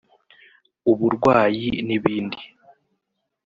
uburwayi n’ibindi